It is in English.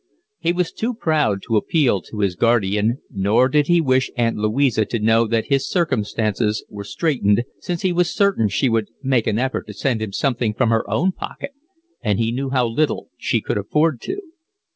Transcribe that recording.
He was too proud to appeal to his guardian, nor did he wish Aunt Louisa to know that his circumstances were straitened, since he was certain she would make an effort to send him something from her own pocket, and he knew how little she could afford to.